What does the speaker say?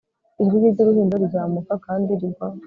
ijwi rye ry'uruhinja rizamuka kandi rigwa